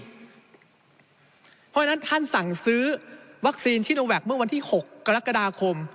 เพราะฉะนั้นท่านสั่งซื้อวัคซีนชิโนแวคเมื่อวันที่๖กรกฎาคม